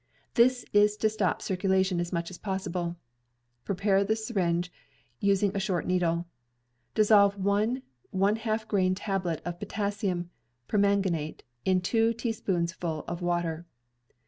This is to stop circulation as much as pos sible. Prepare the syringe, using a short needle. Dissolve one one half grain tablet of potassium permanganate in two teaspoonfuls of water.